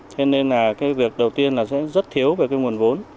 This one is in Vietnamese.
thế nên việc đầu tiên sẽ rất thiếu về nguồn vốn